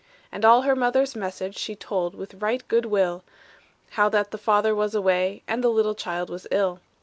And all her mother's message She told with right good will, How that the father was away, And the little child was ill.